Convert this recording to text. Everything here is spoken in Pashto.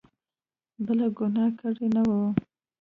بله ګناه کړې نه وي.